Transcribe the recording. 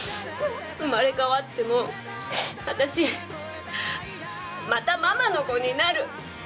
生まれ変わっても私、またママの子になる。